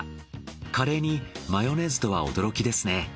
カレーにマヨネーズとは驚きですね。